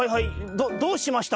どどうしました？」。